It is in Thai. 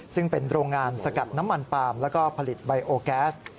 ซึ่งเป็นโรงงานสกัดน้ำมันปาล์มแล้วก็ผลิตไบโอแก๊ส